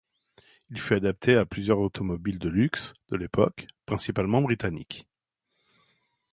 Il fut adapté à plusieurs automobiles de luxe de l'époque, principalement britanniques.